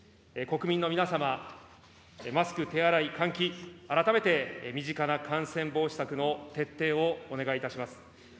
国民の皆様、マスク、手洗い、換気、改めて身近な感染防止策の徹底をお願いいたします。